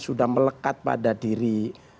sudah melekat pada diri